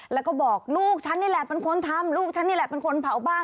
แล้วก็บอกลูกฉันนี่แหละเป็นคนทำลูกฉันนี่แหละเป็นคนเผาบ้าน